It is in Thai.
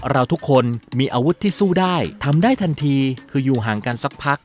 เราทุกคนมีอาวุธที่สู้ได้ทำได้ทันทีคืออยู่ห่างกันสักพัก